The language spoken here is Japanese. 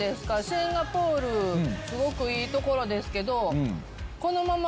シンガポールすごくいい所ですけど。